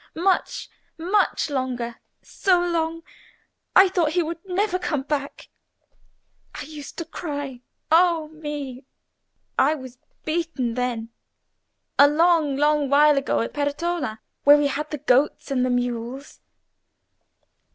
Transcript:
Much—much longer. So long, I thought he would never come back. I used to cry. Oh me! I was beaten then; a long, long while ago at Peretola, where we had the goats and mules."